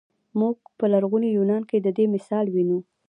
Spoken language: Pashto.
موږ په لرغوني یونان کې د دې مثال وینو.